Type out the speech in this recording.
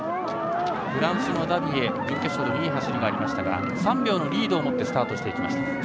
フランスのダビエ、準決勝でもいい走りがありましたが３秒のリードを持ってスタートしました。